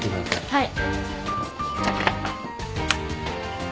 はい。